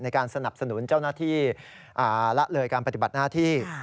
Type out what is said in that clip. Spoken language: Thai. ในการสนับสนุนเจ้าหน้าที่ละเลยการปฏิบัติหน้าที่